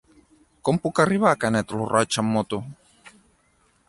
Com puc arribar a Canet lo Roig amb moto?